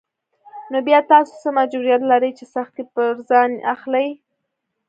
نو بيا تاسو څه مجبوريت لرئ چې سختۍ پر ځان اخلئ.